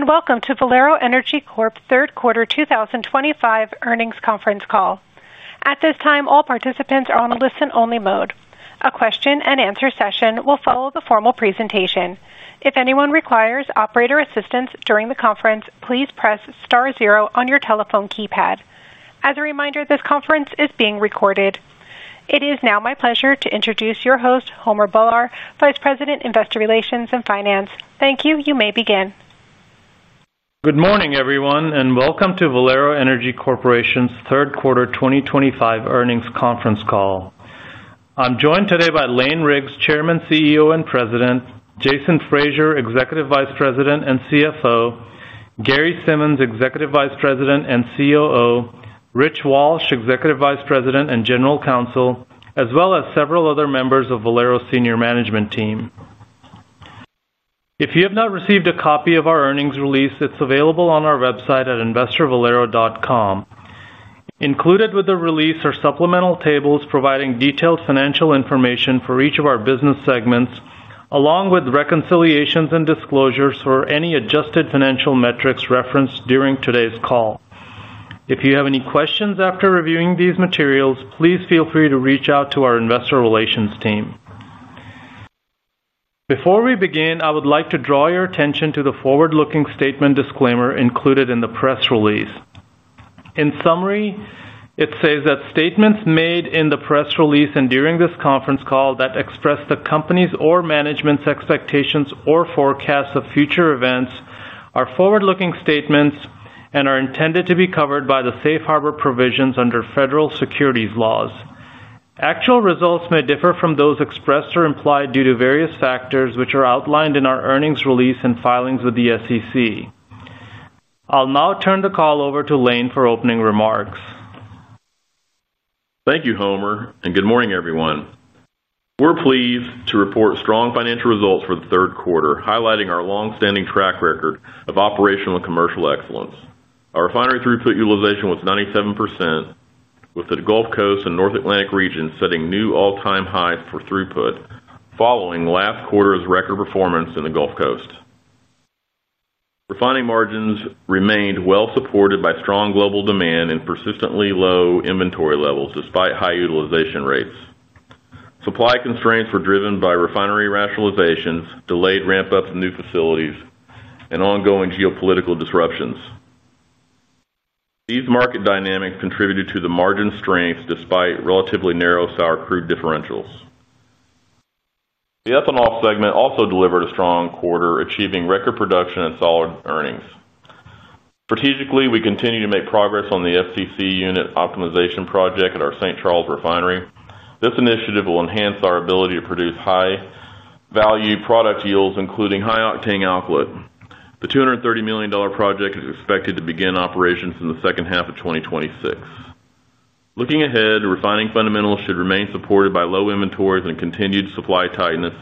Greetings and welcome to Valero Energy Corporation third quarter 2025 earnings conference call. At this time, all participants are on a listen-only mode. A question and answer session will follow the formal presentation. If anyone requires operator assistance during the conference, please press star zero on your telephone keypad. As a reminder, this conference is being recorded. It is now my pleasure to introduce your host, Homer Bhullar, Vice President, Investor Relations and Finance. Thank you. You may begin. Good morning, everyone, and welcome to Valero Energy Corporation's third quarter 2025 earnings conference call. I'm joined today by Lane Riggs, Chairman, CEO and President, Jason Fraser, Executive Vice President and CFO, Gary Simmons, Executive Vice President and COO, Rich Walsh, Executive Vice President and General Counsel, as well as several other members of Valero's senior management team. If you have not received a copy of our earnings release, it's available on our website at investorvalero.com. Included with the release are supplemental tables providing detailed financial information for each of our business segments, along with reconciliations and disclosures for any adjusted financial metrics referenced during today's call. If you have any questions after reviewing these materials, please feel free to reach out to our investor relations team. Before we begin, I would like to draw your attention to the forward-looking statement disclaimer included in the press release. In summary, it says that statements made in the press release and during this conference call that express the company's or management's expectations or forecasts of future events are forward-looking statements and are intended to be covered by the safe harbor provisions under federal securities laws. Actual results may differ from those expressed or implied due to various factors which are outlined in our earnings release and filings with the SEC. I'll now turn the call over to Lane for opening remarks. Thank you, Homer, and good morning, everyone. We're pleased to report strong financial results for the third quarter, highlighting our long-standing track record of operational and commercial excellence. Our refinery throughput utilization was 97%, with the Gulf Coast and North Atlantic regions setting new all-time highs for throughput, following last quarter's record performance in the Gulf Coast. Refining margins remained well supported by strong global demand and persistently low inventory levels despite high utilization rates. Supply constraints were driven by refinery rationalizations, delayed ramp-ups in new facilities, and ongoing geopolitical disruptions. These market dynamics contributed to the margin strengths despite relatively narrow sour crude differentials. The ethanol segment also delivered a strong quarter, achieving record production and solid earnings. Strategically, we continue to make progress on the FCC unit optimization project at our St. Charles Refinery. This initiative will enhance our ability to produce high-value product yields, including high octane output. The $230 million project is expected to begin operations in the second half of 2026. Looking ahead, refining fundamentals should remain supported by low inventories and continued supply tightness,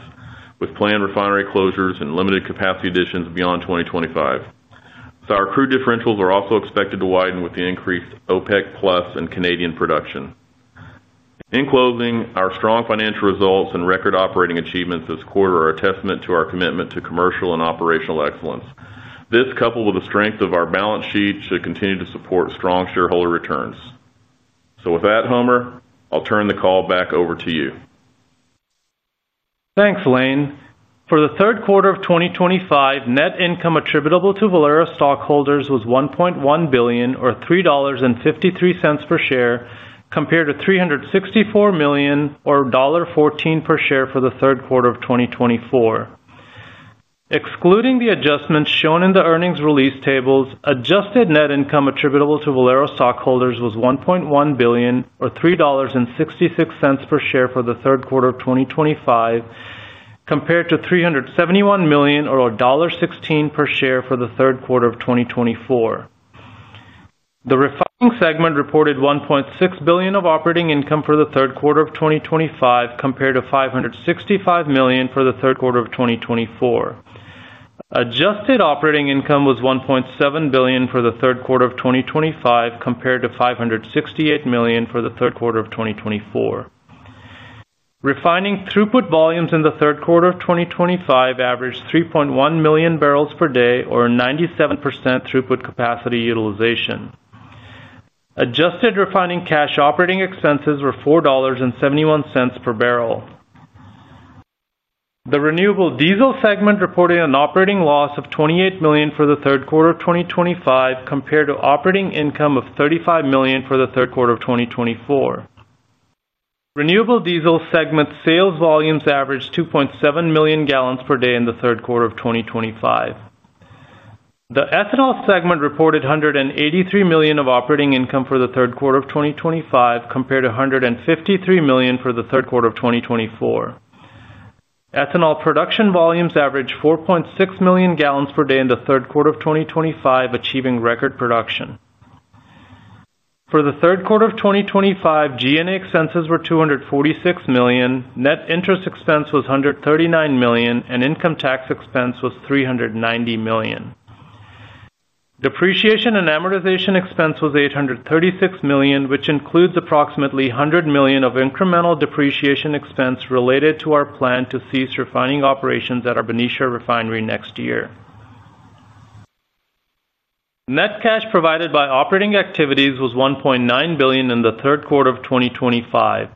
with planned refinery closures and limited capacity additions beyond 2025. Our crude differentials are also expected to widen with the increased OPEC+ and Canadian production. In closing, our strong financial results and record operating achievements this quarter are a testament to our commitment to commercial and operational excellence. This, coupled with the strength of our balance sheet, should continue to support strong shareholder returns. With that, Homer, I'll turn the call back over to you. Thanks, Lane. For the third quarter of 2025, net income attributable to Valero stockholders was $1.1 billion or $3.53 per share, compared to $364 million or $1.14 per share for the third quarter of 2024. Excluding the adjustments shown in the earnings release tables, adjusted net income attributable to Valero stockholders was $1.1 billion or $3.66 per share for the third quarter of 2025, compared to $371 million or $1.16 per share for the third quarter of 2024. The refining segment reported $1.6 billion of operating income for the third quarter of 2025, compared to $565 million for the third quarter of 2024. Adjusted operating income was $1.7 billion for the third quarter of 2025, compared to $568 million for the third quarter of 2024. Refining throughput volumes in the third quarter of 2025 averaged 3.1 million barrels per day or 97% throughput capacity utilization. Adjusted refining cash operating expenses were $4.71 per barrel. The renewable diesel segment reported an operating loss of $28 million for the third quarter of 2025, compared to operating income of $35 million for the third quarter of 2024. Renewable diesel segment sales volumes averaged 2.7 million gallons per day in the third quarter of 2025. The ethanol segment reported $183 million of operating income for the third quarter of 2025, compared to $153 million for the third quarter of 2024. Ethanol production volumes averaged 4.6 million gallons per day in the third quarter of 2025, achieving record production. For the third quarter of 2025, G&A expenses were $246 million, net interest expense was $139 million, and income tax expense was $390 million. Depreciation and amortization expense was $836 million, which includes approximately $100 million of incremental depreciation expense related to our plan to cease refining operations at our Benicia refinery next year. Net cash provided by operating activities was $1.9 billion in the third quarter of 2025.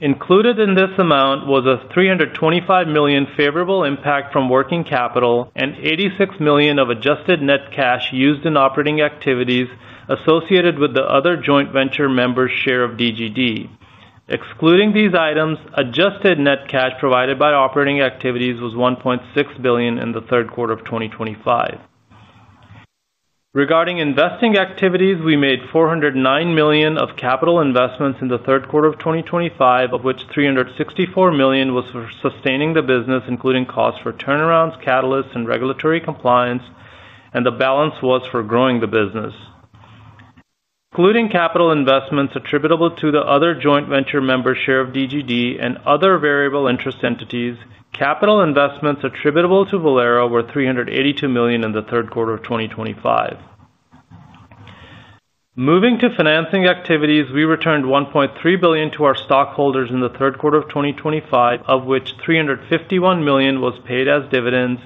Included in this amount was a $325 million favorable impact from working capital and $86 million of adjusted net cash used in operating activities associated with the other joint venture members' share of Diamond Green Diesel Holdings LLC. Excluding these items, adjusted net cash provided by operating activities was $1.6 billion in the third quarter of 2025. Regarding investing activities, we made $409 million of capital investments in the third quarter of 2025, of which $364 million was for sustaining the business, including costs for turnarounds, catalysts, and regulatory compliance, and the balance was for growing the business. Including capital investments attributable to the other joint venture members' share of Diamond Green Diesel Holdings LLC and other variable interest entities, capital investments attributable to Valero were $382 million in the third quarter of 2025. Moving to financing activities, we returned $1.3 billion to our stockholders in the third quarter of 2025, of which $351 million was paid as dividends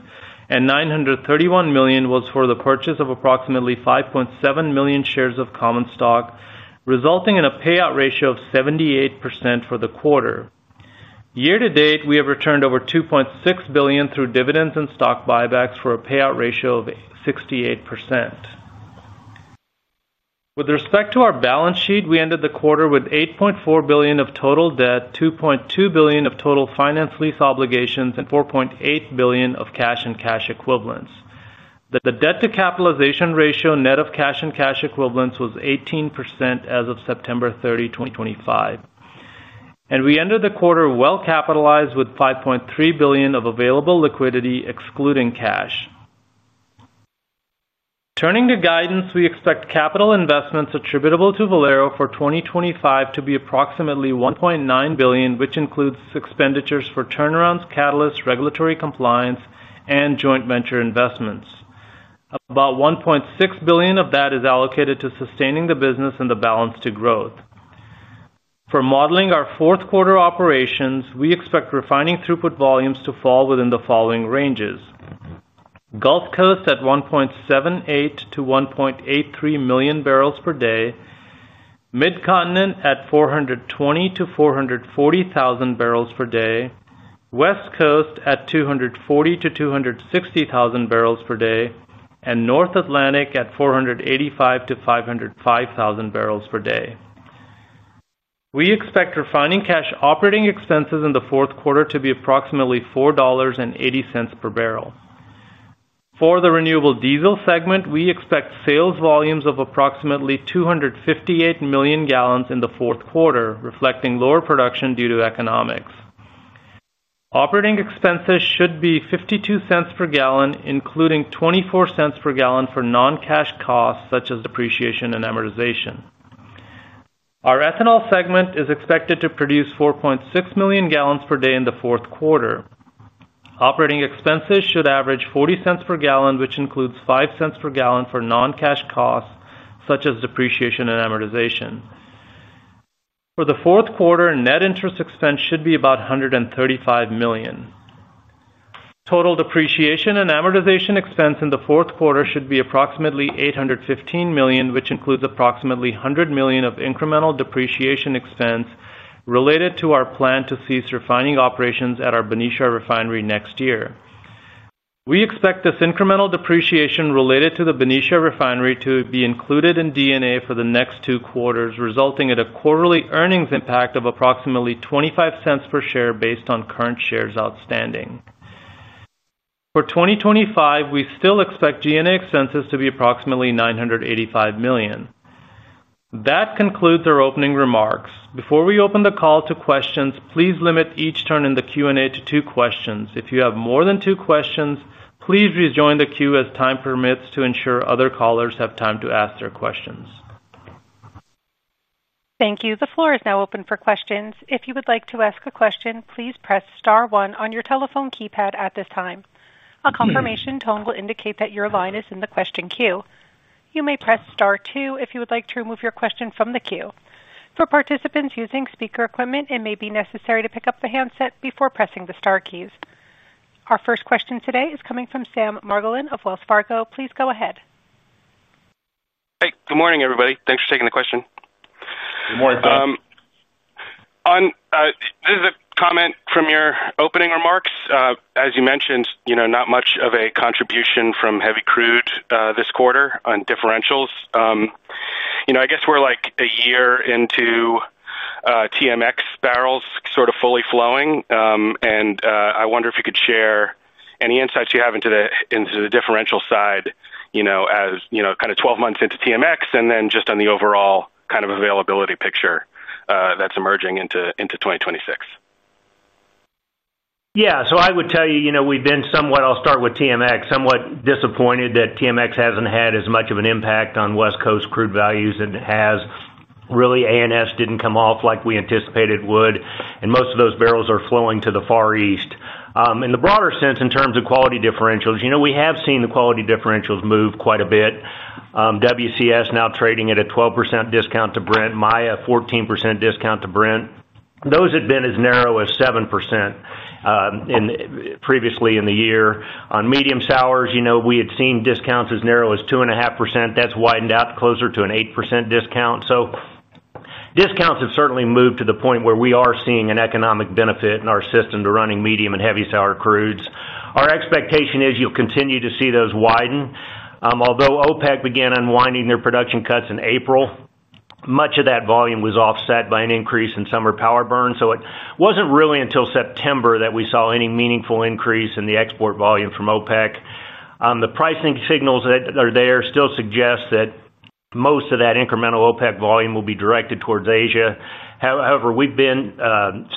and $931 million was for the purchase of approximately 5.7 million shares of common stock, resulting in a payout ratio of 78% for the quarter. Year to date, we have returned over $2.6 billion through dividends and stock buybacks for a payout ratio of 68%. With respect to our balance sheet, we ended the quarter with $8.4 billion of total debt, $2.2 billion of total finance lease obligations, and $4.8 billion of cash and cash equivalents. The debt-to-capitalization ratio net of cash and cash equivalents was 18% as of September 30, 2025. We ended the quarter well-capitalized with $5.3 billion of available liquidity, excluding cash. Turning to guidance, we expect capital investments attributable to Valero for 2025 to be approximately $1.9 billion, which includes expenditures for turnarounds, catalysts, regulatory compliance, and joint venture investments. About $1.6 billion of that is allocated to sustaining the business and the balance to growth. For modeling our fourth quarter operations, we expect refining throughput volumes to fall within the following ranges: Gulf Coast at 1.78 to 1.83 million barrels per day, Mid-Continent at 420,000 to 440,000 barrels per day, West Coast at 240,000 to 260,000 barrels per day, and North Atlantic at 485,000 to 505,000 barrels per day. We expect refining cash operating expenses in the fourth quarter to be approximately $4.80 per barrel. For the renewable diesel segment, we expect sales volumes of approximately 258 million gallons in the fourth quarter, reflecting lower production due to economics. Operating expenses should be $0.52 per gallon, including $0.24 per gallon for non-cash costs such as depreciation and amortization. Our ethanol segment is expected to produce 4.6 million gallons per day in the fourth quarter. Operating expenses should average $0.40 per gallon, which includes $0.05 per gallon for non-cash costs such as depreciation and amortization. For the fourth quarter, net interest expense should be about $135 million. Total depreciation and amortization expense in the fourth quarter should be approximately $815 million, which includes approximately $100 million of incremental depreciation expense related to our plan to cease refining operations at our Benicia refinery next year. We expect this incremental depreciation related to the Benicia refinery to be included in G&A for the next two quarters, resulting in a quarterly earnings impact of approximately $0.25 per share based on current shares outstanding. For 2025, we still expect G&A expenses to be approximately $985 million. That concludes our opening remarks. Before we open the call to questions, please limit each turn in the Q&A to two questions. If you have more than two questions, please rejoin the queue as time permits to ensure other callers have time to ask their questions. Thank you. The floor is now open for questions. If you would like to ask a question, please press star one on your telephone keypad at this time. A confirmation tone will indicate that your line is in the question queue. You may press star two if you would like to remove your question from the queue. For participants using speaker equipment, it may be necessary to pick up the handset before pressing the star keys. Our first question today is coming from Sam Margolin of Wells Fargo. Please go ahead. Hi. Good morning, everybody. Thanks for taking the question. Good morning, Sam. This is a comment from your opening remarks. As you mentioned, not much of a contribution from heavy crude this quarter on differentials. I guess we're like a year into TMX barrels sort of fully flowing, and I wonder if you could share any insights you have into the differential side, as you know kind of 12 months into TMX and then just on the overall kind of availability picture that's emerging into 2026. Yeah. I would tell you, we've been somewhat, I'll start with TMX, somewhat disappointed that TMX hasn't had as much of an impact on West Coast crude values as it has. Really, ANS didn't come off like we anticipated it would, and most of those barrels are flowing to the Far East. In the broader sense, in terms of quality differentials, we have seen the quality differentials move quite a bit. WCS now trading at a 12% discount to Brent, Maya a 14% discount to Brent. Those had been as narrow as 7% previously in the year. On medium sours, we had seen discounts as narrow as 2.5%. That's widened out closer to an 8% discount. Discounts have certainly moved to the point where we are seeing an economic benefit in our system to running medium and heavy sour crudes. Our expectation is you'll continue to see those widen. Although OPEC began unwinding their production cuts in April, much of that volume was offset by an increase in summer power burns. It wasn't really until September that we saw any meaningful increase in the export volume from OPEC. The pricing signals that are there still suggest that most of that incremental OPEC volume will be directed towards Asia. However, we've been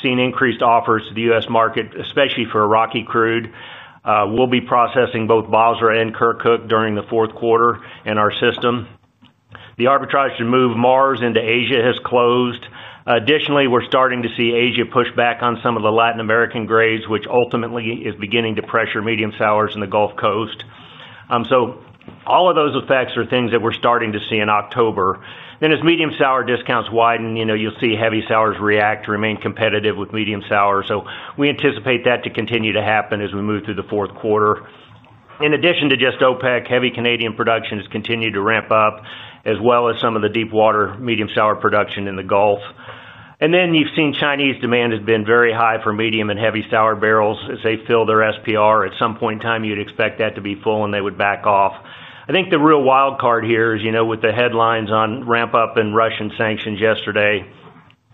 seeing increased offers to the U.S. market, especially for Iraqi crude. We'll be processing both Basra and Kirkuk during the fourth quarter in our system. The arbitrage to move Mars into Asia has closed. Additionally, we're starting to see Asia push back on some of the Latin American grades, which ultimately is beginning to pressure medium sours in the Gulf Coast. All of those effects are things that we're starting to see in October. As medium sour discounts widen, you'll see heavy sours react to remain competitive with medium sours. We anticipate that to continue to happen as we move through the fourth quarter. In addition to just OPEC, heavy Canadian production has continued to ramp up, as well as some of the deep water medium sour production in the Gulf. You've seen Chinese demand has been very high for medium and heavy sour barrels as they fill their SPR. At some point in time, you'd expect that to be full and they would back off. I think the real wild card here is, with the headlines on ramp-up and Russian sanctions yesterday.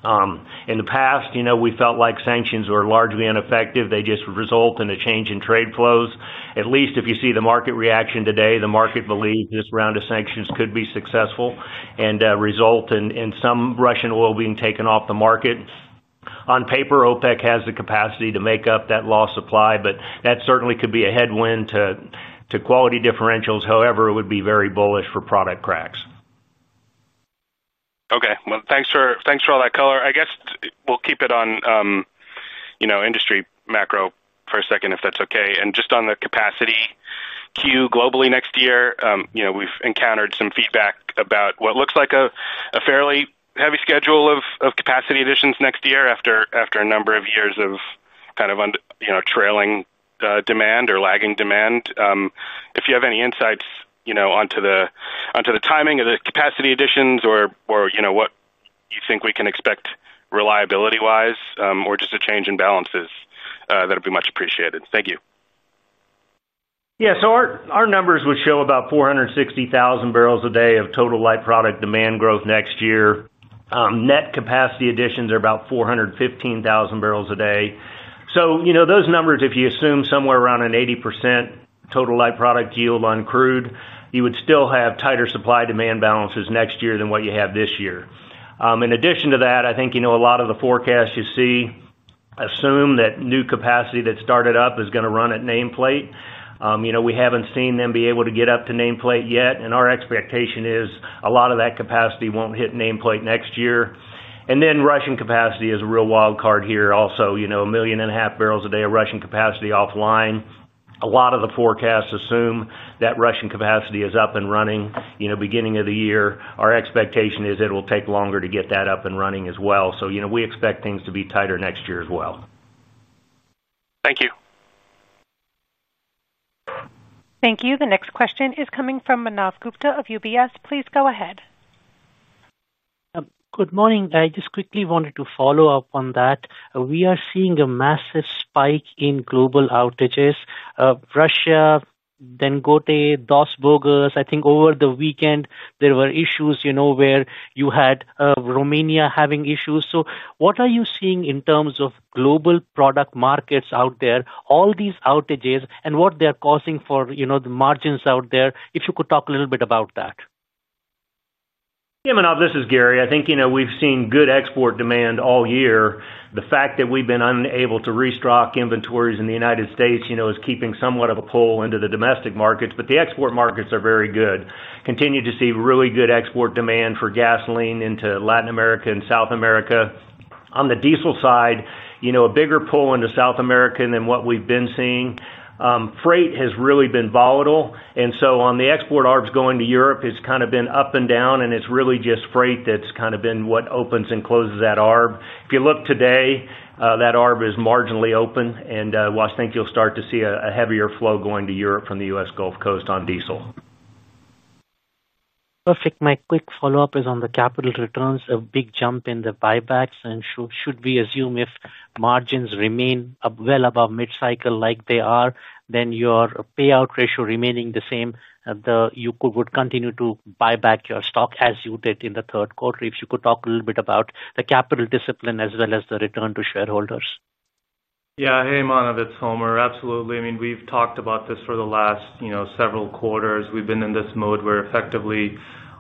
In the past, we felt like sanctions were largely ineffective. They just result in a change in trade flows. At least if you see the market reaction today, the market believes this round of sanctions could be successful and result in some Russian oil being taken off the market. On paper, OPEC has the capacity to make up that lost supply, but that certainly could be a headwind to quality differentials. However, it would be very bullish for product cracks. Thank you for all that color. I guess we'll keep it on, you know, industry macro for a second, if that's okay. Just on the capacity queue globally next year, we've encountered some feedback about what looks like a fairly heavy schedule of capacity additions next year after a number of years of kind of, you know, trailing demand or lagging demand. If you have any insights onto the timing of the capacity additions or what you think we can expect reliability-wise or just a change in balances, that would be much appreciated. Thank you. Yeah. Our numbers would show about 460,000 barrels a day of total light product demand growth next year. Net capacity additions are about 415,000 barrels a day. If you assume somewhere around an 80% total light product yield on crude, you would still have tighter supply-demand balances next year than what you have this year. In addition to that, a lot of the forecasts you see assume that new capacity that started up is going to run at nameplate. We haven't seen them be able to get up to nameplate yet. Our expectation is a lot of that capacity won't hit nameplate next year. Russian capacity is a real wild card here also. A million and a half barrels a day of Russian capacity offline. A lot of the forecasts assume that Russian capacity is up and running, beginning of the year. Our expectation is it will take longer to get that up and running as well. We expect things to be tighter next year as well. Thank you. Thank you. The next question is coming from Manav Gupta of UBS. Please go ahead. Good morning. I just quickly wanted to follow up on that. We are seeing a massive spike in global outages. Russia, then Gulf, those barrels. I think over the weekend there were issues, you know, where you had Romania having issues. What are you seeing in terms of global product markets out there, all these outages and what they're causing for, you know, the margins out there? If you could talk a little bit about that. Yeah, Manav, this is Gary. I think, you know, we've seen good export demand all year. The fact that we've been unable to restock inventories in the United States is keeping somewhat of a pull into the domestic markets. The export markets are very good. Continue to see really good export demand for gasoline into Latin America and South America. On the diesel side, you know, a bigger pull into South America than what we've been seeing. Freight has really been volatile. On the export ARBs going to Europe, it's kind of been up and down, and it's really just freight that's kind of been what opens and closes that ARB. If you look today, that ARB is marginally open. While I think you'll start to see a heavier flow going to Europe from the U.S. Gulf Coast on diesel. Perfect. My quick follow-up is on the capital returns. A big jump in the buybacks. Should we assume if margins remain well above mid-cycle like they are, then your payout ratio remaining the same, you would continue to buy back your stock as you did in the third quarter? If you could talk a little bit about the capital discipline as well as the return to shareholders. Yeah. Hey, Manav. It's Homer. Absolutely. I mean, we've talked about this for the last several quarters. We've been in this mode where effectively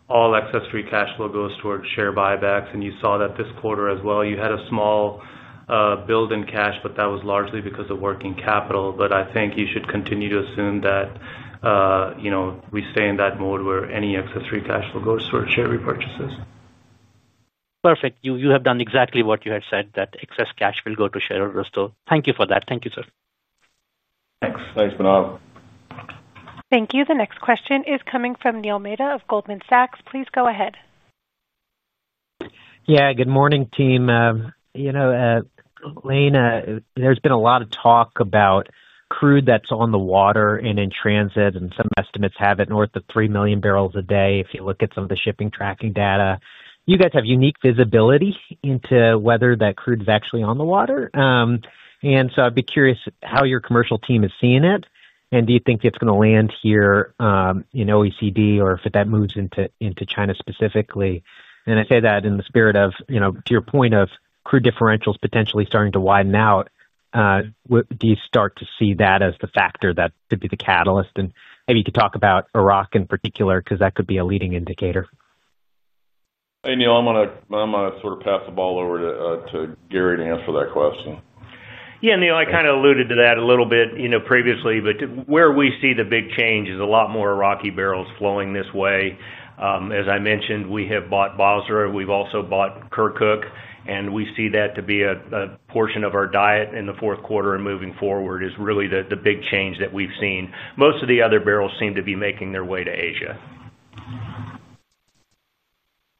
all excess free cash flow goes towards share buybacks. You saw that this quarter as well. You had a small build in cash, but that was largely because of working capital. I think you should continue to assume that we stay in that mode where any excess free cash flow goes towards share repurchases. Perfect. You have done exactly what you had said, that excess cash will go to shareholders. Thank you for that. Thank you, sir. Thanks. Thanks, Manav. Thank you. The next question is coming from Neil Mehta of Goldman Sachs. Please go ahead. Good morning, team. Lane, there's been a lot of talk about crude that's on the water and in transit, and some estimates have it north of 3 million barrels a day if you look at some of the shipping tracking data. You guys have unique visibility into whether that crude is actually on the water. I'd be curious how your commercial team is seeing it, and do you think it's going to land here in OECD or if that moves into China specifically? I say that in the spirit of, to your point of crude differentials potentially starting to widen out, do you start to see that as the factor that could be the catalyst? Maybe you could talk about Iraq in particular because that could be a leading indicator. Hey, Neil. I'm going to sort of pass the ball over to Gary Simmons to answer that question. Yeah, Neil. I kind of alluded to that a little bit previously. Where we see the big change is a lot more Iraqi barrels flowing this way. As I mentioned, we have bought Basra. We've also bought Kirkuk. We see that to be a portion of our diet in the fourth quarter and moving forward, which is really the big change that we've seen. Most of the other barrels seem to be making their way to Asia.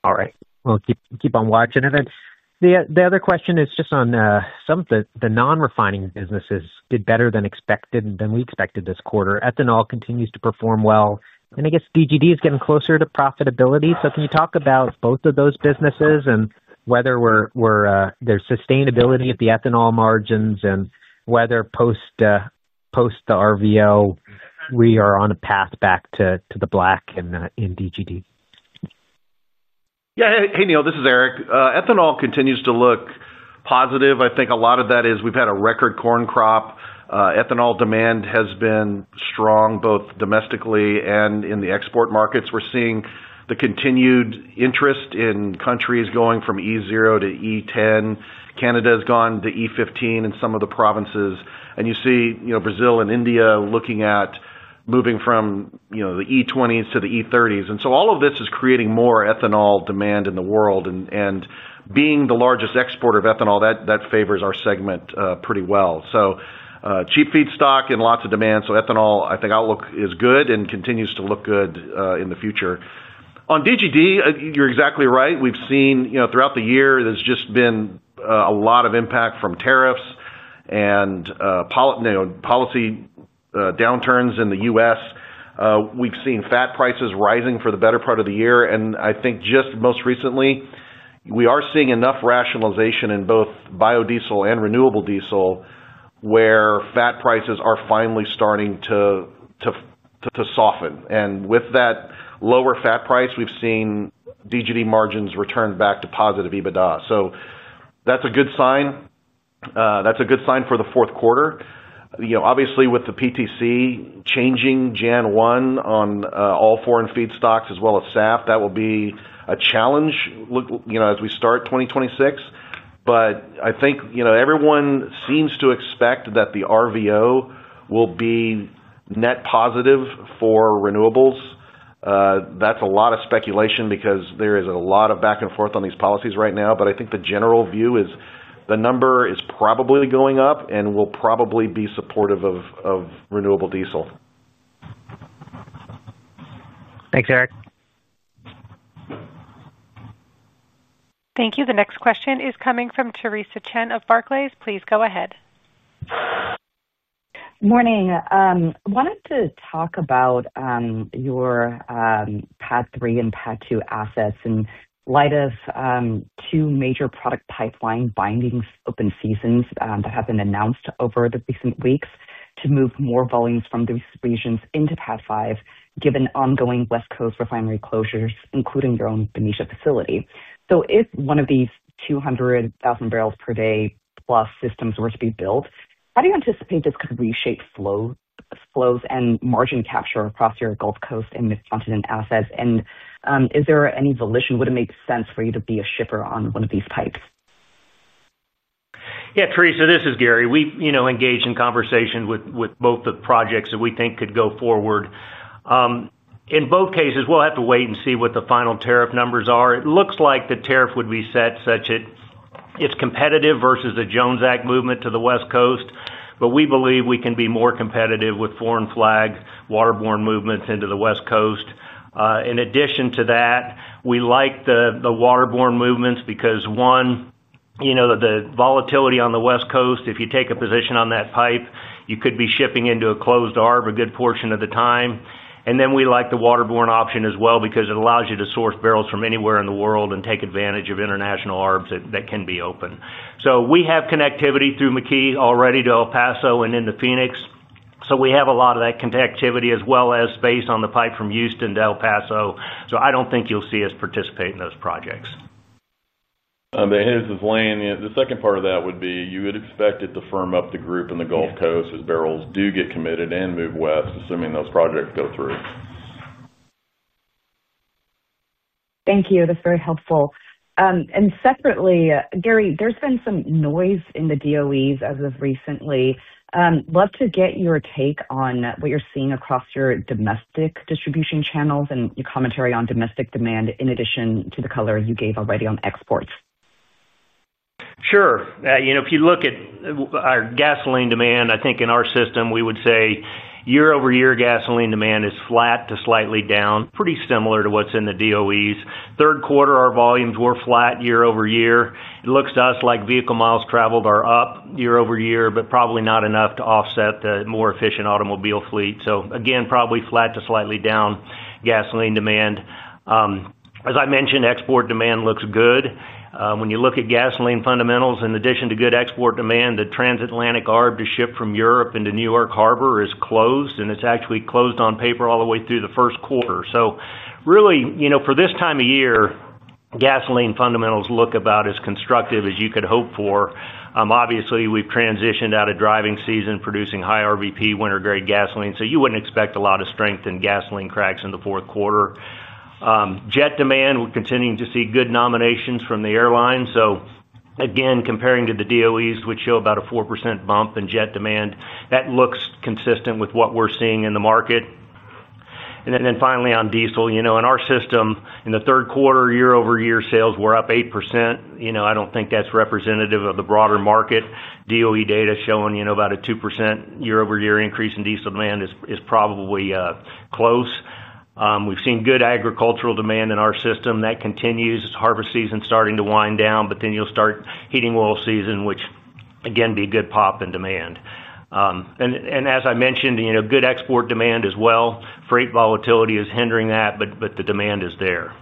All right. We'll keep on watching it. The other question is just on some of the non-refining businesses did better than expected than we expected this quarter. Ethanol continues to perform well. I guess Diamond Green Diesel is getting closer to profitability. Can you talk about both of those businesses and whether there's sustainability at the ethanol margins and whether post the RVO we are on a path back to the black in Diamond Green Diesel? Yeah. Hey, Neil. This is Eric. Ethanol continues to look positive. I think a lot of that is we've had a record corn crop. Ethanol demand has been strong both domestically and in the export markets. We're seeing the continued interest in countries going from E0 to E10. Canada has gone to E15 in some of the provinces. You see Brazil and India looking at moving from the E20s to the E30s. All of this is creating more ethanol demand in the world. Being the largest exporter of ethanol, that favors our segment pretty well. Cheap feedstock and lots of demand. Ethanol, I think, outlook is good and continues to look good in the future. On DGD, you're exactly right. We've seen throughout the year, there's just been a lot of impact from tariffs and policy downturns in the U.S. We've seen fat prices rising for the better part of the year. I think just most recently, we are seeing enough rationalization in both biodiesel and renewable diesel where fat prices are finally starting to soften. With that lower fat price, we've seen DGD margins return back to positive EBITDA. That's a good sign. That's a good sign for the fourth quarter. Obviously, with the PTC changing January 1 on all foreign feedstocks as well as SAF, that will be a challenge as we start 2026. I think everyone seems to expect that the RVO will be net positive for renewables. That's a lot of speculation because there is a lot of back and forth on these policies right now. I think the general view is the number is probably going up and will probably be supportive of renewable diesel. Thanks, Eric. Thank you. The next question is coming from Theresa Chen of Barclays. Please go ahead. Morning. I wanted to talk about your Pad three and Pad two assets in light of two major product pipeline binding open seasons that have been announced over the recent weeks to move more volumes from these regions into Pad five, given ongoing West Coast refinery closures, including your own Benicia facility. If one of these 200,000 barrels per day plus systems were to be built, how do you anticipate this could reshape flows and margin capture across your Gulf Coast and Mid-Continent assets? Is there any volition? Would it make sense for you to be a shipper on one of these pipes? Yeah, Theresa, this is Gary. We engage in conversation with both the projects that we think could go forward. In both cases, we'll have to wait and see what the final tariff numbers are. It looks like the tariff would be set such that it's competitive versus a Jones Act movement to the West Coast. We believe we can be more competitive with foreign flag waterborne movements into the West Coast. In addition to that, we like the waterborne movements because, one, the volatility on the West Coast, if you take a position on that pipe, you could be shipping into a closed ARB a good portion of the time. We like the waterborne option as well because it allows you to source barrels from anywhere in the world and take advantage of international ARBs that can be open. We have connectivity through McKee already to El Paso and into Phoenix. We have a lot of that connectivity as well as space on the pipe from Houston to El Paso. I don't think you'll see us participate in those projects. Here's this, Lane. The second part of that would be you would expect it to firm up the group in the Gulf Coast as barrels do get committed and move west, assuming those projects go through. Thank you. That's very helpful. Gary, there's been some noise in the DOEs as of recently. Love to get your take on what you're seeing across your domestic distribution channels and your commentary on domestic demand in addition to the color you gave already on exports. Sure. If you look at our gasoline demand, I think in our system, we would say year-over-year gasoline demand is flat to slightly down, pretty similar to what's in the DOE's. Third quarter, our volumes were flat year-over-year. It looks to us like vehicle miles traveled are up year-over-year, but probably not enough to offset the more efficient automobile fleet. Again, probably flat to slightly down gasoline demand. As I mentioned, export demand looks good. When you look at gasoline fundamentals, in addition to good export demand, the transatlantic ARB to ship from Europe into New York Harbor is closed, and it's actually closed on paper all the way through the first quarter. For this time of year, gasoline fundamentals look about as constructive as you could hope for. Obviously, we've transitioned out of driving season, producing high RVP winter-grade gasoline. You wouldn't expect a lot of strength in gasoline cracks in the fourth quarter. Jet demand will continue to see good nominations from the airlines. Comparing to the DOE's, which show about a 4% bump in jet demand, that looks consistent with what we're seeing in the market. Finally, on diesel, in our system, in the third quarter, year-over-year sales were up 8%. I don't think that's representative of the broader market. DOE data showing about a 2% year-over-year increase in diesel demand is probably close. We've seen good agricultural demand in our system. That continues. It's harvest season starting to wind down, but then you'll start heating oil season, which again, be a good pop in demand. As I mentioned, good export demand as well. Freight volatility is hindering that, but the demand is there.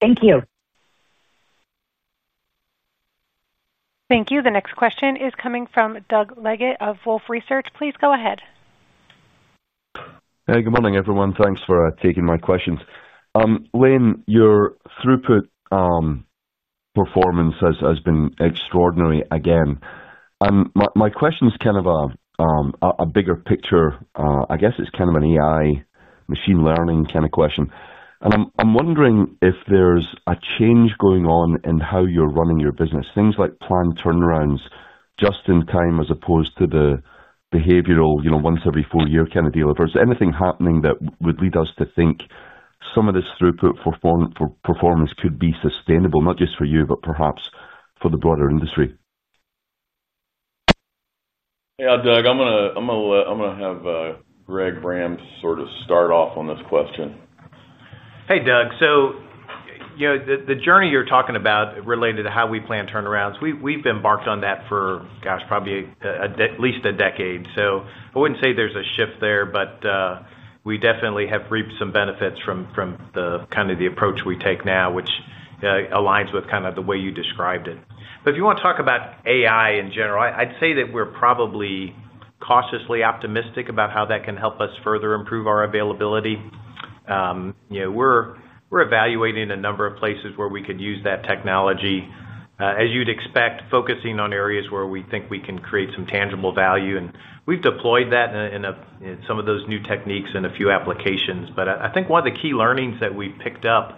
Thank you. Thank you. The next question is coming from Douglas George Blyth Leggate of Wolfe Research. Please go ahead. Hey, good morning, everyone. Thanks for taking my questions. Lane, your throughput performance has been extraordinary again. My question is kind of a bigger picture. I guess it's kind of an AI machine learning kind of question. I'm wondering if there's a change going on in how you're running your business, things like planned turnarounds just in time as opposed to the behavioral, you know, once every four year kind of deal. If there's anything happening that would lead us to think some of this throughput performance could be sustainable, not just for you, but perhaps for the broader industry. Yeah, Doug, I'm going to have Greg Bram sort of start off on this question. Hey, Doug. The journey you're talking about related to how we plan turnarounds, we've embarked on that for, gosh, probably at least a decade. I wouldn't say there's a shift there, but we definitely have reaped some benefits from kind of the approach we take now, which aligns with the way you described it. If you want to talk about AI in general, I'd say that we're probably cautiously optimistic about how that can help us further improve our availability. We're evaluating a number of places where we could use that technology, as you'd expect, focusing on areas where we think we can create some tangible value. We've deployed that in some of those new techniques and a few applications. I think one of the key learnings that we picked up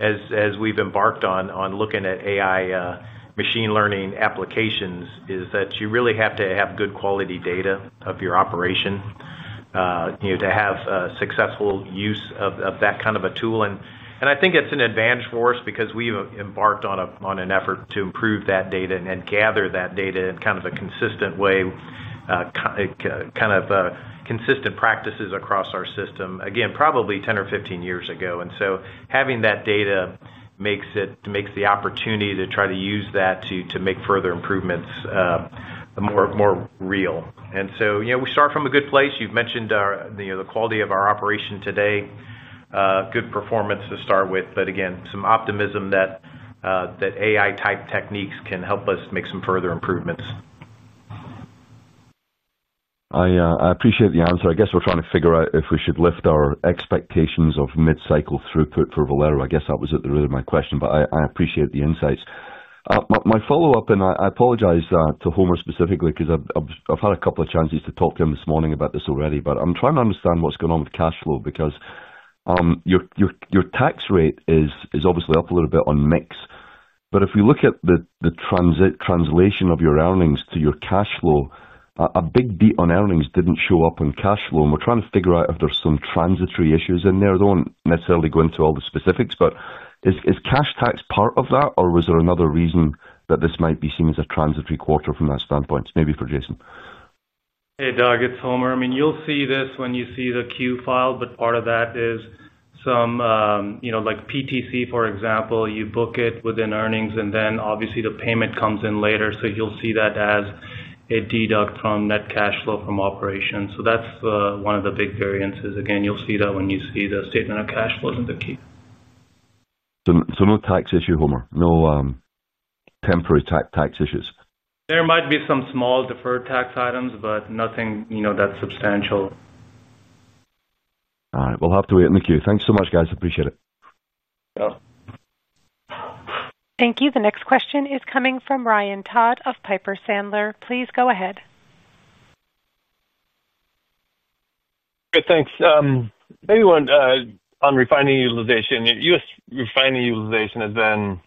as we've embarked on looking at AI machine learning applications is that you really have to have good quality data of your operation to have successful use of that kind of a tool. I think it's an advantage for us because we've embarked on an effort to improve that data and gather that data in a consistent way, consistent practices across our system, again, probably 10 or 15 years ago. Having that data makes the opportunity to try to use that to make further improvements more real. We start from a good place. You've mentioned the quality of our operation today, good performance to start with, but again, some optimism that AI-type techniques can help us make some further improvements. I appreciate the answer. I guess we're trying to figure out if we should lift our expectations of mid-cycle throughput for Valero. I guess that was at the root of my question, but I appreciate the insights. My follow-up, and I apologize to Homer specifically because I've had a couple of chances to talk to him this morning about this already, but I'm trying to understand what's going on with cash flow because your tax rate is obviously up a little bit on mix. If we look at the translation of your earnings to your cash flow, a big beat on earnings didn't show up on cash flow. We're trying to figure out if there's some transitory issues in there. I don't necessarily go into all the specifics, but is cash tax part of that, or was there another reason that this might be seen as a transitory quarter from that standpoint? Maybe for Jason. Hey, Doug. It's Homer. You'll see this when you see the Q file, but part of that is some, you know, like PTC, for example, you book it within earnings, and then obviously the payment comes in later. You'll see that as a deduct from net cash flow from operations. That's one of the big variances. You'll see that when you see the statement of cash flows in the Q. No tax issue, Homer? No temporary tax issues? There might be some small deferred tax items, but nothing that's substantial. All right. We'll have to wait in the queue. Thank you so much, guys. Appreciate it. Yeah. Thank you. The next question is coming from Ryan Todd of Piper Sandler. Please go ahead. Good. Thanks. Maybe one on refining utilization. U.S. refining utilization has been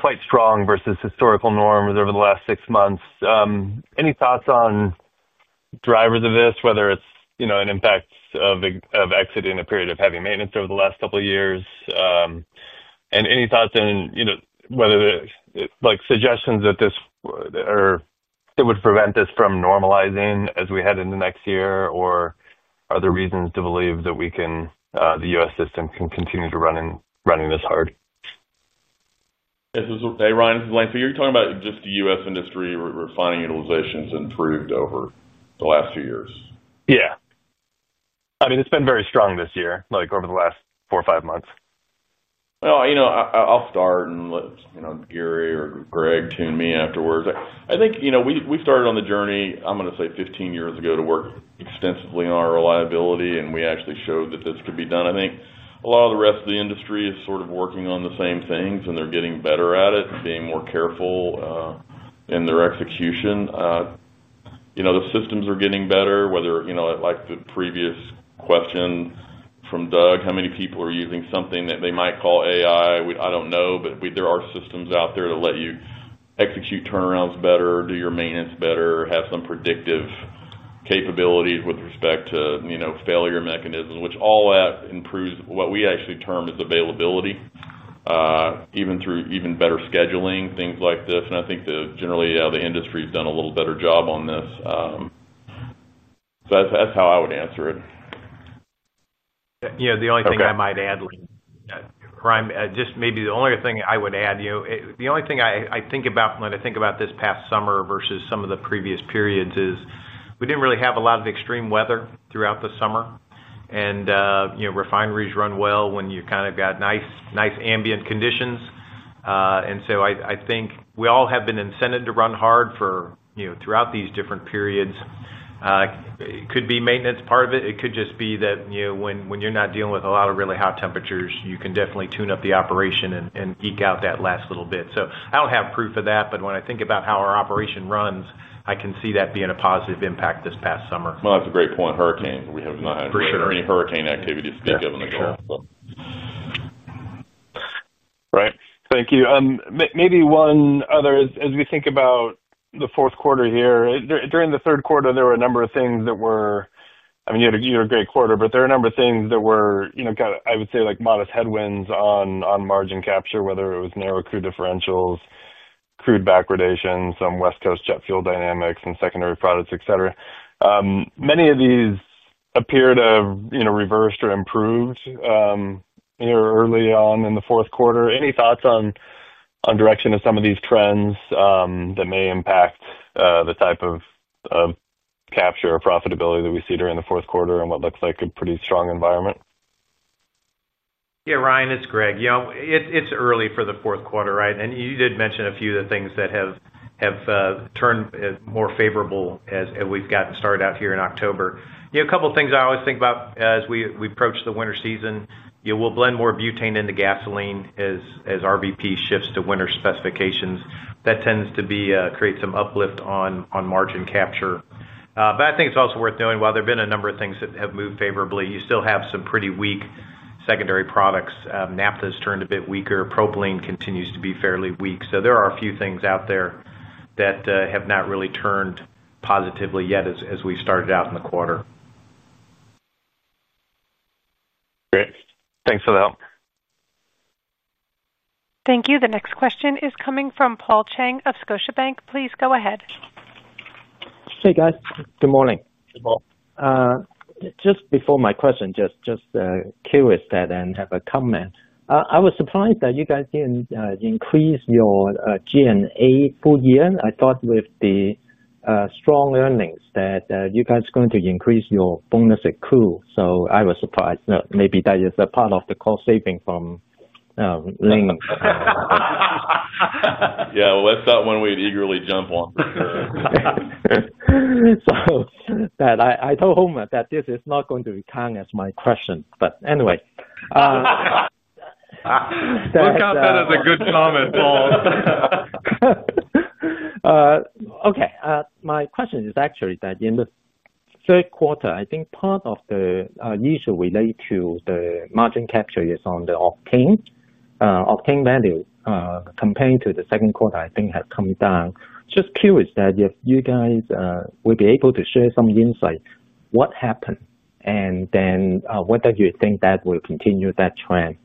quite strong versus historical norms over the last six months. Any thoughts on drivers of this, whether it's an impact of exiting a period of heavy maintenance over the last couple of years? Any thoughts on whether there are suggestions that this or that would prevent this from normalizing as we head into next year, or are there reasons to believe that we can, the U.S. system can continue to run in running this hard? Yeah, this is Ryan from Lane for you. You're talking about just the U.S. industry refining utilization has improved over the last two years? Yeah, I mean, it's been very strong this year, like over the last four or five months. I’ll start and let Gary or Greg tune me afterwards. I think we started on the journey, I'm going to say 15 years ago, to work extensively on our reliability, and we actually showed that this could be done. I think a lot of the rest of the industry is sort of working on the same things, and they're getting better at it and being more careful in their execution. The systems are getting better, whether, like the previous question from Doug, how many people are using something that they might call AI? I don't know, but there are systems out there to let you execute turnarounds better, do your maintenance better, have some predictive capabilities with respect to failure mechanisms, which all that improves what we actually term is availability, even through even better scheduling, things like this. I think that generally, yeah, the industry has done a little better job on this. That's how I would answer it. Yeah. The only thing I might add, Lane, or maybe the only other thing I would add, you know, the only thing I think about when I think about this past summer versus some of the previous periods is we didn't really have a lot of extreme weather throughout the summer. Refineries run well when you kind of got nice, nice ambient conditions. I think we all have been incented to run hard for, you know, throughout these different periods. It could be maintenance part of it. It could just be that, you know, when you're not dealing with a lot of really hot temperatures, you can definitely tune up the operation and geek out that last little bit. I don't have proof of that, but when I think about how our operation runs, I can see that being a positive impact this past summer. That's a great point. Hurricane, we have not had any hurricane activity to speak of in the Gulf. For sure. Right. Thank you. Maybe one other as we think about the fourth quarter here, during the third quarter, there were a number of things that were, I mean, you had a great quarter, but there were a number of things that were, you know, I would say, like modest headwinds on margin capture, whether it was narrow crude differentials, crude backgradation, some West Coast jet fuel dynamics, and secondary products, etc. Many of these appear to have, you know, reversed or improved here early on in the fourth quarter. Any thoughts on direction of some of these trends that may impact the type of capture or profitability that we see during the fourth quarter and what looks like a pretty strong environment? Yeah. Ryan, it's Greg. Yeah, it's early for the fourth quarter, right? You did mention a few of the things that have turned more favorable as we've gotten started out here in October. You know, a couple of things I always think about as we approach the winter season, you know, we'll blend more butane into gasoline as RVP shifts to winter specifications. That tends to create some uplift on margin capture. I think it's also worth noting, while there have been a number of things that have moved favorably, you still have some pretty weak secondary products. Naptha has turned a bit weaker. Propylene continues to be fairly weak. There are a few things out there that have not really turned positively yet as we've started out in the quarter. Great, thanks for that. Thank you. The next question is coming from Paul Chang of Scotiabank. Please go ahead. Hey, guys. Good morning. Good morning. Just before my question, just curious and have a comment. I was surprised that you guys didn't increase your G&A full year. I thought with the strong earnings that you guys are going to increase your bonus accrual. I was surprised. Maybe that is a part of the cost saving from Lane. That's not one we'd eagerly jump on. I told Homer that this is not going to be cut as my question anyway. We've got that as a good comment, Paul. Okay. My question is actually that in the third quarter, I think part of the issue related to the margin capture is on the octane value compared to the second quarter, I think has come down. Just curious if you guys would be able to share some insight, what happened and then whether you think that will continue that trend.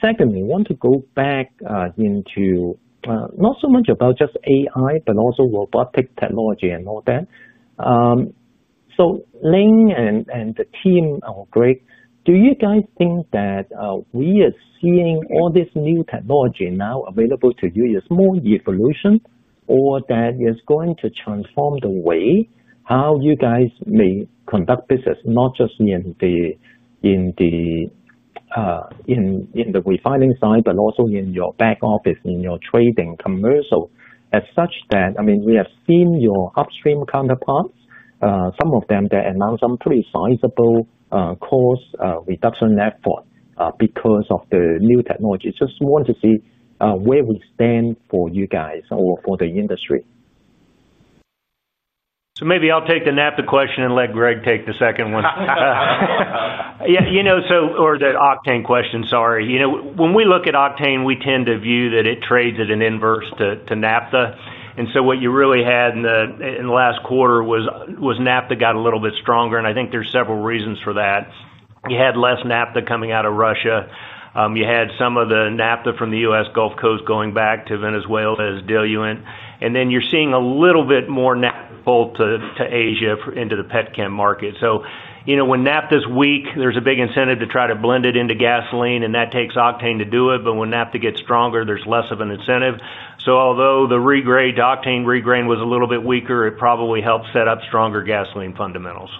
Secondly, I want to go back into not so much about just AI, but also robotic technology and all that. Lane and the team or Greg, do you guys think that we are seeing all this new technology now available to you is more evolution or that it's going to transform the way how you guys may conduct business, not just in the refining side, but also in your back office, in your trading commercial as such that, I mean, we have seen your upstream counterparts, some of them that announced some pretty sizable cost reduction effort because of the new technology. Just want to see where we stand for you guys or for the industry. Maybe I'll take the Naptha question and let Greg take the second one. You know, or the octane question, sorry. When we look at octane, we tend to view that it trades at an inverse to Naptha. What you really had in the last quarter was Naptha got a little bit stronger. I think there's several reasons for that. You had less Naptha coming out of Russia. You had some of the Naptha from the U.S. Gulf Coast going back to Venezuela as diluent. You're seeing a little bit more Naptha pull to Asia into the pet chem market. When Naptha is weak, there's a big incentive to try to blend it into gasoline, and that takes octane to do it. When Naptha gets stronger, there's less of an incentive. Although the octane regrade was a little bit weaker, it probably helped set up stronger gasoline fundamentals.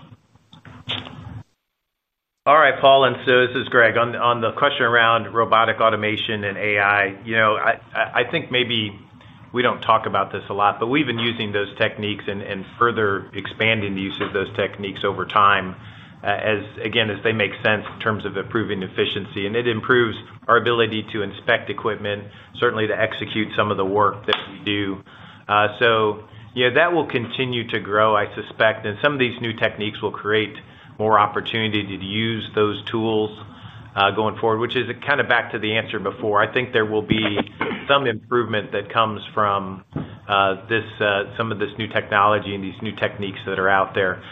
All right, Paul. This is Greg. On the question around robotic automation and AI, I think maybe we don't talk about this a lot, but we've been using those techniques and further expanding the use of those techniques over time, as they make sense in terms of improving efficiency. It improves our ability to inspect equipment, certainly to execute some of the work that we do. That will continue to grow, I suspect. Some of these new techniques will create more opportunity to use those tools going forward, which is kind of back to the answer before. I think there will be some improvement that comes from some of this new technology and these new techniques that are out there.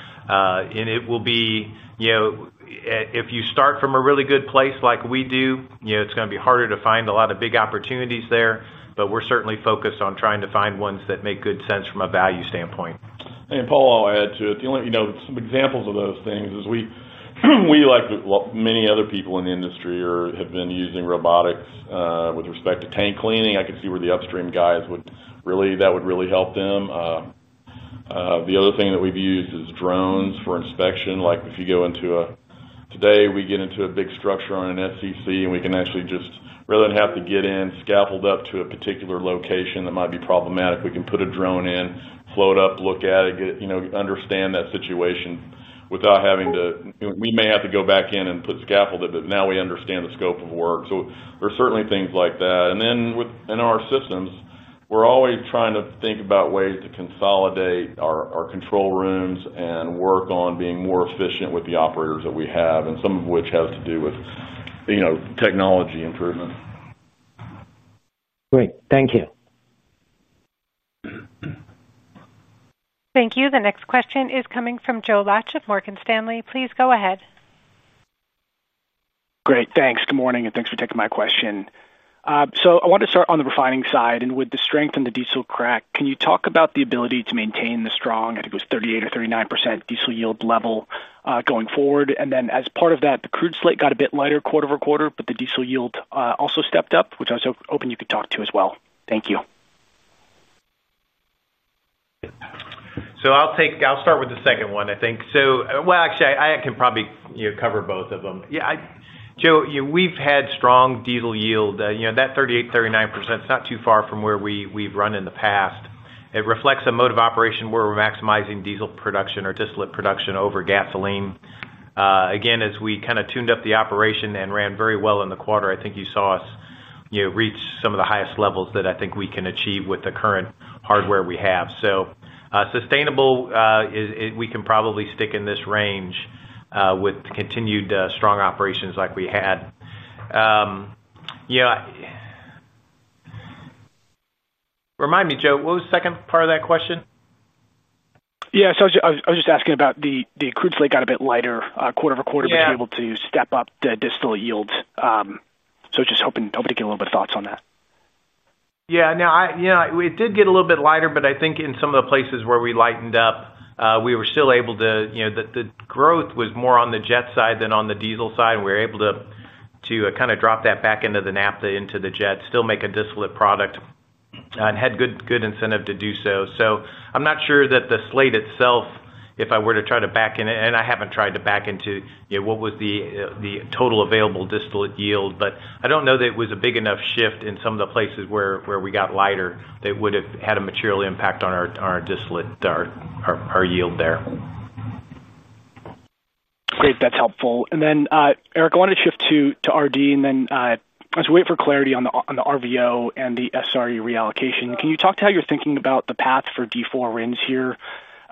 If you start from a really good place like we do, it's going to be harder to find a lot of big opportunities there, but we're certainly focused on trying to find ones that make good sense from a value standpoint. Paul, I'll add to it. The only, you know, some examples of those things is we, like many other people in the industry, have been using robotics with respect to tank cleaning. I could see where the upstream guys would really, that would really help them. The other thing that we've used is drones for inspection. Like if you go into a, today we get into a big structure on an FCC unit and we can actually just, rather than have to get in, scaffold up to a particular location that might be problematic, we can put a drone in, float up, look at it, get, you know, understand that situation without having to, we may have to go back in and put scaffold it, but now we understand the scope of work. There's certainly things like that. Within our systems, we're always trying to think about ways to consolidate our control rooms and work on being more efficient with the operators that we have, and some of which has to do with, you know, technology improvement. Great. Thank you. Thank you. The next question is coming from Jason Daniel Gabelman of Morgan Stanley. Please go ahead. Great. Thanks. Good morning, and thanks for taking my question. I want to start on the refining side. With the strength and the diesel crack, can you talk about the ability to maintain the strong, I think it was 38% or 39% diesel yield level going forward? As part of that, the crude slate got a bit lighter quarter over quarter, but the diesel yield also stepped up, which I was hoping you could talk to as well. Thank you. I'll start with the second one, I think. Actually, I can probably cover both of them. Yeah, Joe, we've had strong diesel yield, you know, that 38%, 39%. It's not too far from where we've run in the past. It reflects a mode of operation where we're maximizing diesel production or distillate production over gasoline. Again, as we kind of tuned up the operation and ran very well in the quarter, I think you saw us reach some of the highest levels that I think we can achieve with the current hardware we have. Sustainable, we can probably stick in this range with continued strong operations like we had. Remind me, Joe, what was the second part of that question? Yeah, I was just asking about the crude slate got a bit lighter quarter over quarter, but you're able to step up the distillate yield. I was just hoping to get a little bit of thoughts on that. Yeah. No, you know, it did get a little bit lighter, but I think in some of the places where we lightened up, we were still able to, you know, the growth was more on the jet side than on the diesel side. We were able to kind of drop that back into the Naptha, into the jet, still make a distillate product, and had good incentive to do so. I'm not sure that the slate itself, if I were to try to back in it, and I haven't tried to back into, you know, what was the total available distillate yield, but I don't know that it was a big enough shift in some of the places where we got lighter that would have had a material impact on our distillate, our yield there. Great. That's helpful. Eric, I want to shift to RD, and as we wait for clarity on the RVO and the SRE reallocation, can you talk to how you're thinking about the path for D4 RINs here?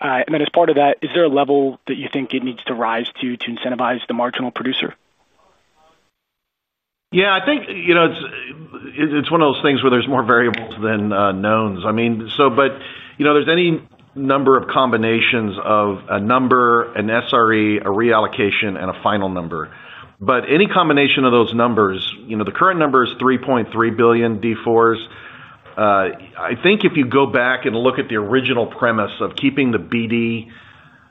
As part of that, is there a level that you think it needs to rise to to incentivize the marginal producer? Yeah, I think it's one of those things where there's more variables than knowns. I mean, there's any number of combinations of a number, an SRE, a reallocation, and a final number. Any combination of those numbers, the current number is 3.3 billion D4s. I think if you go back and look at the original premise of keeping the BD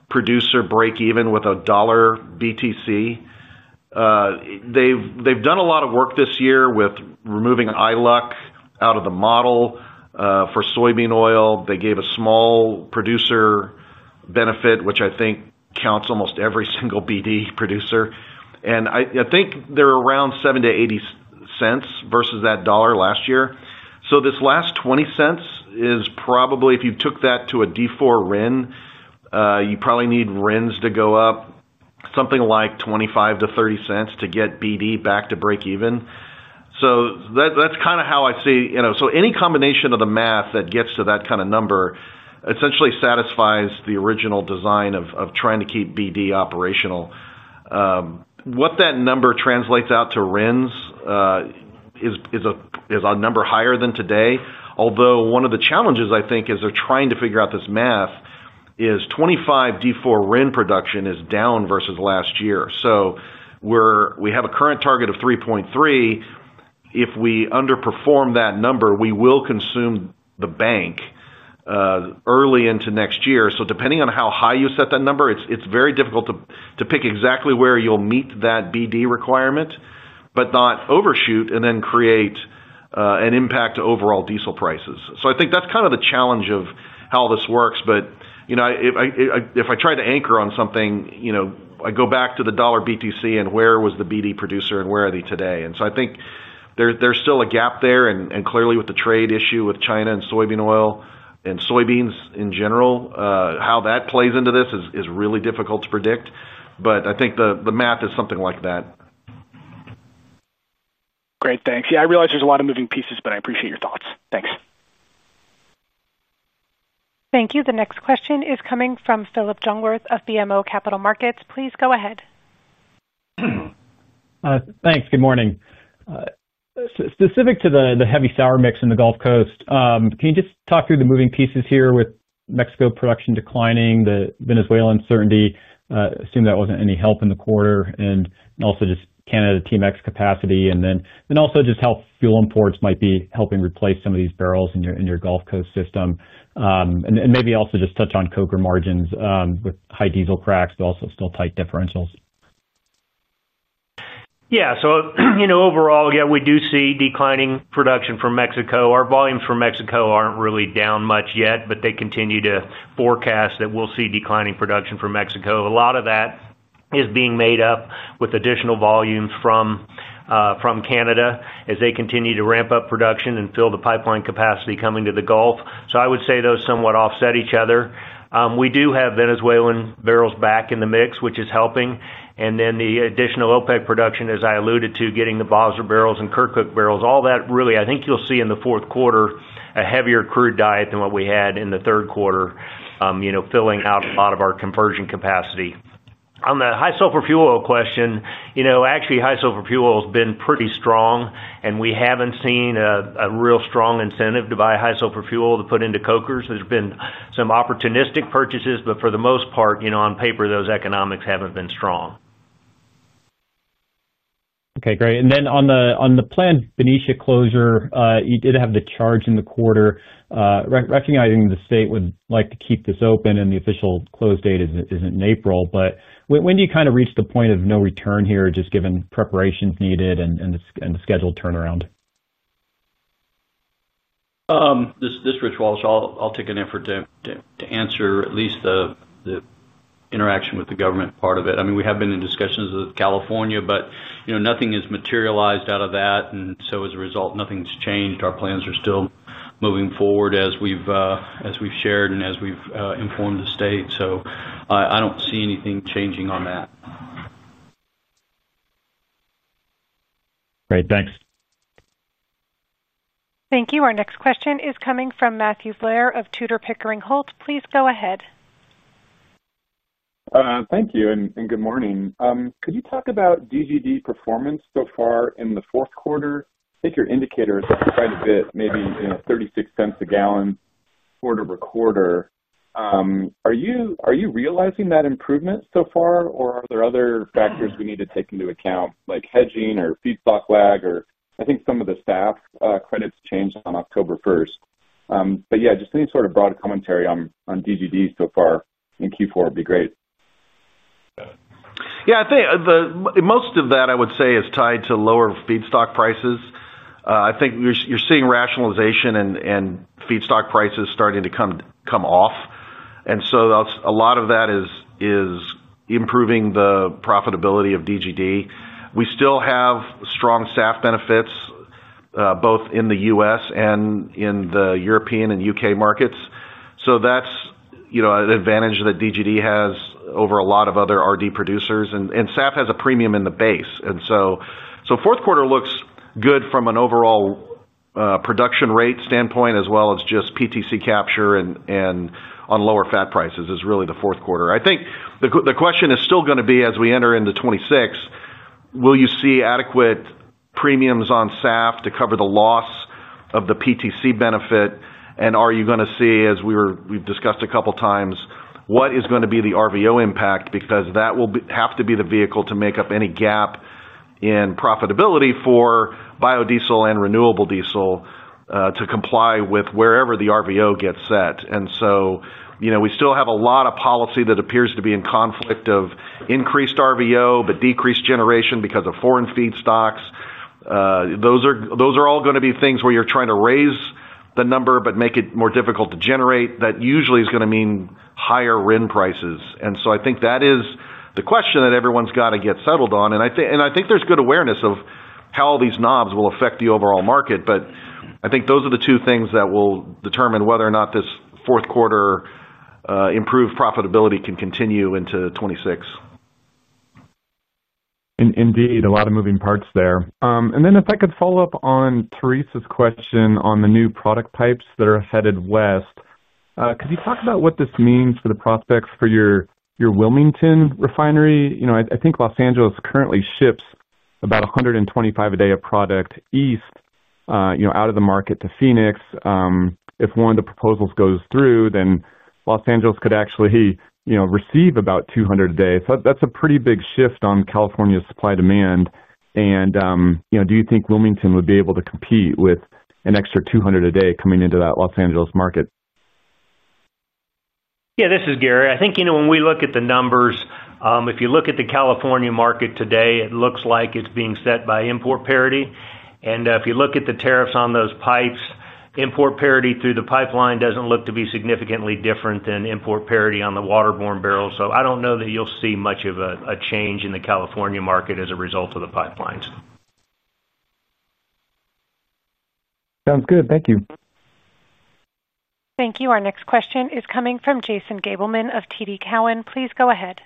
producer break even with a $1 BTC, they've done a lot of work this year with removing ILUC out of the model for soybean oil. They gave a small producer benefit, which I think counts almost every single BD producer. I think they're around $0.70 to $0.80 versus that $1 last year. This last $0.20 is probably, if you took that to a D4 RIN, you probably need RINs to go up something like $0.25 to $0.30 to get BD back to break even. That's kind of how I see it. Any combination of the math that gets to that kind of number essentially satisfies the original design of trying to keep BD operational. What that number translates out to RINs is a number higher than today. One of the challenges, I think, as they're trying to figure out this math is 2025 D4 RIN production is down versus last year. We have a current target of 3.3. If we underperform that number, we will consume the bank early into next year. Depending on how high you set that number, it's very difficult to pick exactly where you'll meet that BD requirement, but not overshoot and then create an impact to overall diesel prices. I think that's kind of the challenge of how this works. If I try to anchor on something, I go back to the $1 BTC and where was the BD producer and where are they today. I think there's still a gap there. Clearly, with the trade issue with China and soybean oil and soybeans in general, how that plays into this is really difficult to predict. I think the math is something like that. Great. Thanks. Yeah, I realize there's a lot of moving pieces, but I appreciate your thoughts. Thanks. Thank you. The next question is coming from Phillip Jungwirth of BMO Capital Markets. Please go ahead. Thanks. Good morning. Specific to the heavy sour mix in the Gulf Coast, can you just talk through the moving pieces here with Mexico production declining, the Venezuela uncertainty? I assume that wasn't any help in the quarter, also just Canada TMX capacity, and how fuel imports might be helping replace some of these barrels in your Gulf Coast system. Maybe also just touch on Koger margins with high diesel cracks, but also still tight differentials. Yeah. Overall, we do see declining production from Mexico. Our volumes from Mexico aren't really down much yet, but they continue to forecast that we'll see declining production from Mexico. A lot of that is being made up with additional volumes from Canada as they continue to ramp up production and fill the pipeline capacity coming to the Gulf. I would say those somewhat offset each other. We do have Venezuelan barrels back in the mix, which is helping. The additional OPEC+ production, as I alluded to, getting the Basra barrels and Kirkuk barrels, all that really, I think you'll see in the fourth quarter a heavier crude diet than what we had in the third quarter, filling out a lot of our conversion capacity. On the high sulfur fuel oil question, actually, high sulfur fuel oil has been pretty strong, and we haven't seen a real strong incentive to buy high sulfur fuel to put into cokers. There's been some opportunistic purchases, but for the most part, on paper, those economics haven't been strong. Okay. Great. On the planned Benicia closure, you did have the charge in the quarter, recognizing the state would like to keep this open, and the official close date isn't in April. When do you kind of reach the point of no return here, just given preparations needed and the scheduled turnaround? This is Rich Walsh. I'll take an effort to answer at least the interaction with the government part of it. We have been in discussions with California, but nothing has materialized out of that. As a result, nothing's changed. Our plans are still moving forward as we've shared and as we've informed the state. I don't see anything changing on that. Great. Thanks. Thank you. Our next question is coming from Matthew Blair of Tudor Pickering Holt. Please go ahead. Thank you. Good morning. Could you talk about DGD performance so far in the fourth quarter? I think your indicator is up quite a bit, maybe $0.36 a gallon quarter over quarter. Are you realizing that improvement so far, or are there other factors we need to take into account, like hedging or feedstock lag? I think some of the staff credits changed on October 1. Any sort of broad commentary on DGD so far in Q4 would be great. Yeah. I think most of that, I would say, is tied to lower feedstock prices. I think you're seeing rationalization and feedstock prices starting to come off, and a lot of that is improving the profitability of Diamond Green Diesel. We still have strong SAF benefits, both in the U.S. and in the European and UK markets. That's an advantage that Diamond Green Diesel has over a lot of other renewable diesel producers. SAF has a premium in the base. Fourth quarter looks good from an overall production rate standpoint as well as just PTC capture, and on lower fat prices is really the fourth quarter. I think the question is still going to be, as we enter into 2026, will you see adequate premiums on SAF to cover the loss of the PTC benefit? Are you going to see, as we've discussed a couple of times, what is going to be the RVO impact? That will have to be the vehicle to make up any gap in profitability for biodiesel and renewable diesel to comply with wherever the RVO gets set. We still have a lot of policy that appears to be in conflict of increased RVO but decreased generation because of foreign feedstocks. Those are all going to be things where you're trying to raise the number but make it more difficult to generate. That usually is going to mean higher RIN prices. I think that is the question that everyone's got to get settled on. I think there's good awareness of how all these knobs will affect the overall market. I think those are the two things that will determine whether or not this fourth quarter improved profitability can continue into 2026. Indeed, a lot of moving parts there. If I could follow up on Theresa's question on the new product pipes that are headed west, could you talk about what this means for the prospects for your Wilmington refinery? I think Los Angeles currently ships about 125,000 barrels a day of product east, out of the market to Phoenix. If one of the proposals goes through, Los Angeles could actually receive about 200,000 barrels a day. That's a pretty big shift on California's supply-demand. Do you think Wilmington would be able to compete with an extra 200,000 barrels a day coming into that Los Angeles market? Yeah. This is Gary. I think, you know, when we look at the numbers, if you look at the California market today, it looks like it's being set by import parity. If you look at the tariffs on those pipes, import parity through the pipeline doesn't look to be significantly different than import parity on the waterborne barrels. I don't know that you'll see much of a change in the California market as a result of the pipelines. Sounds good. Thank you. Thank you. Our next question is coming from Jason Daniel Gabelman of TD Cowen. Please go ahead.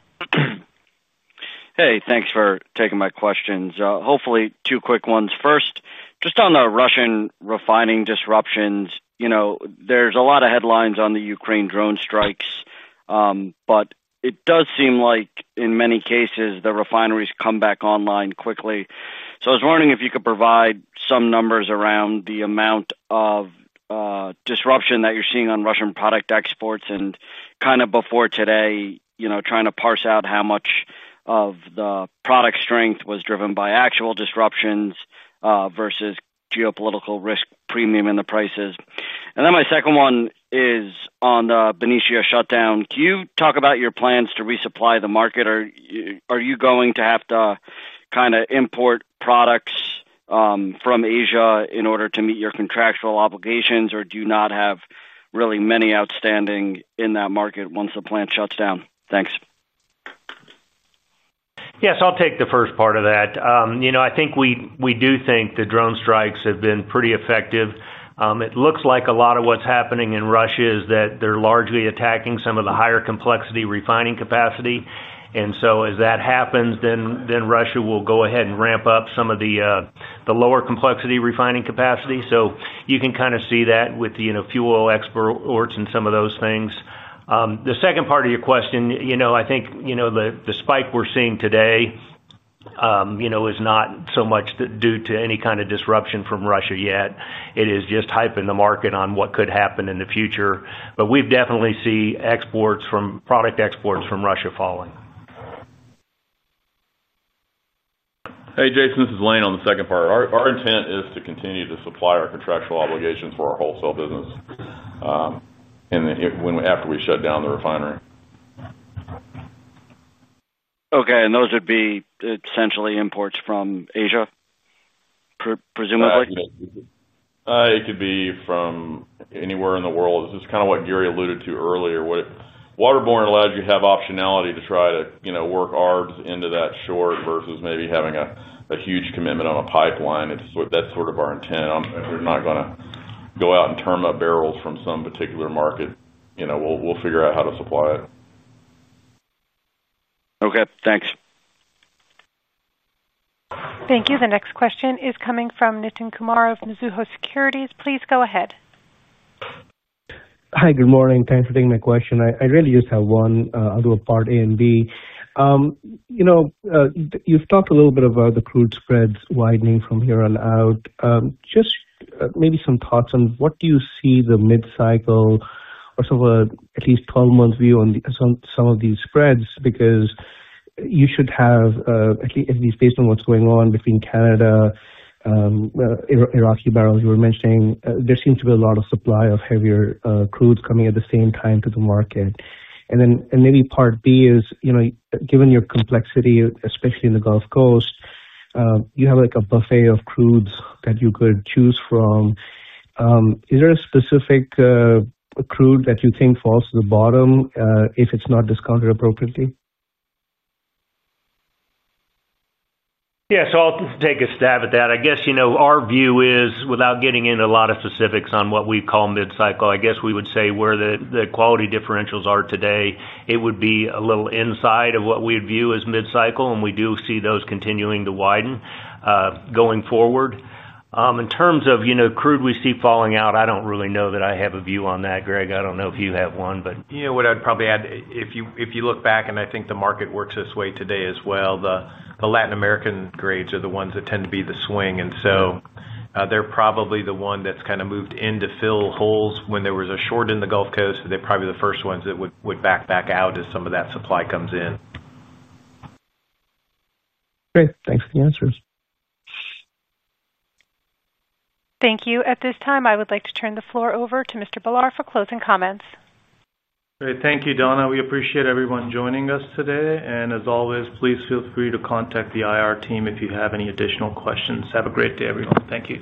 Hey, thanks for taking my questions. Hopefully, two quick ones. First, just on the Russian refining disruptions, you know, there's a lot of headlines on the Ukraine drone strikes. It does seem like in many cases, the refineries come back online quickly. I was wondering if you could provide some numbers around the amount of disruption that you're seeing on Russian product exports and kind of before today, trying to parse out how much of the product strength was driven by actual disruptions versus geopolitical risk premium in the prices. My second one is on the Benicia shutdown. Can you talk about your plans to resupply the market? Are you going to have to import products from Asia in order to meet your contractual obligations, or do you not have really many outstanding in that market once the plant shuts down? Thanks. Yes, I'll take the first part of that. I think we do think the drone strikes have been pretty effective. It looks like a lot of what's happening in Russia is that they're largely attacking some of the higher complexity refining capacity. As that happens, then Russia will go ahead and ramp up some of the lower complexity refining capacity. You can kind of see that with the fuel oil exports and some of those things. The second part of your question, I think the spike we're seeing today is not so much due to any kind of disruption from Russia yet. It is just hyping the market on what could happen in the future. We've definitely seen product exports from Russia falling. Hey, Jason. This is Lane on the second part. Our intent is to continue to supply our contractual obligations for our wholesale business after we shut down the refinery. Okay. Those would be essentially imports from Asia, presumably? It could be from anywhere in the world. This is kind of what Gary Simmons alluded to earlier. Waterborne allowed you to have optionality to try to, you know, work ARBs into that short versus maybe having a huge commitment on a pipeline. That's sort of our intent. If we're not going to go out and term up barrels from some particular market, you know, we'll figure out how to supply it. Okay. Thanks. Thank you. The next question is coming from Nitin Kumar of Mizuho Securities. Please go ahead. Hi. Good morning. Thanks for taking my question. I really just have one other part, A and B. You've talked a little bit about the crude spreads widening from here on out. Maybe some thoughts on what do you see the mid-cycle or sort of at least 12-month view on some of these spreads because you should have, at least based on what's going on between Canadian, Iraqi barrels you were mentioning, there seems to be a lot of supply of heavier crudes coming at the same time to the market. Maybe part B is, given your complexity, especially in the Gulf Coast, you have like a buffet of crudes that you could choose from. Is there a specific crude that you think falls to the bottom if it's not discounted appropriately? Yeah. I'll take a stab at that. I guess, you know, our view is, without getting into a lot of specifics on what we call mid-cycle, we would say where the quality differentials are today, it would be a little inside of what we would view as mid-cycle. We do see those continuing to widen going forward. In terms of, you know, crude we see falling out, I don't really know that I have a view on that, Greg. I don't know if you have one. Yeah. What I'd probably add, if you look back, and I think the market works this way today as well, the Latin American grades are the ones that tend to be the swing. They're probably the ones that kind of moved in to fill holes when there was a short in the Gulf Coast. They're probably the first ones that would back out as some of that supply comes in. Great. Thanks for the answers. Thank you. At this time, I would like to turn the floor over to Mr. Homer for closing comments. Great. Thank you, Donna. We appreciate everyone joining us today. As always, please feel free to contact the IR team if you have any additional questions. Have a great day, everyone. Thank you.